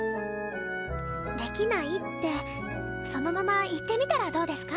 できないってそのまま言ってみたらどうですか？